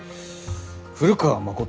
古川誠。